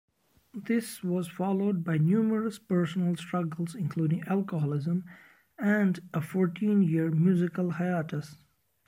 This was followed by numerous personal struggles including alcoholism, and a fourteen-year musical hiatus.